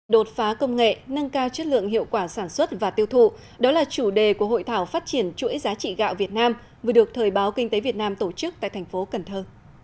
đột phá công nghệ nâng cao chất lượng hiệu quả sản xuất và tiêu thụ đó là chủ đề của hội thảo phát triển chuỗi giá trị gạo việt nam vừa được thời báo kinh tế việt nam tổ chức tại thành phố cần thơ